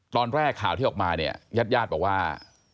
ตอนแรกข่าวที่ออกมาเนี่ยญาติญาติบอกว่า